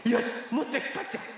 もっとひっぱっちゃおう。